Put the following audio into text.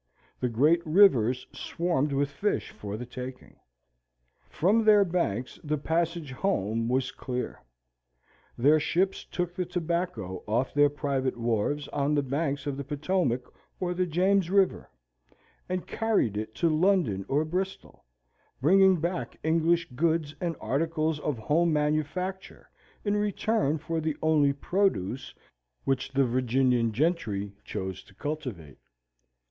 The great rivers swarmed with fish for the taking. From their banks the passage home was clear. Their ships took the tobacco off their private wharves on the banks of the Potomac or the James river, and carried it to London or Bristol, bringing back English goods and articles of home manufacture in return for the only produce which the Virginian gentry chose to cultivate.